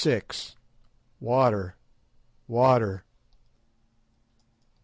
WATER! WATER!